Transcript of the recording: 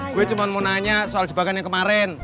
gue cuma mau nanya soal jebakan yang kemarin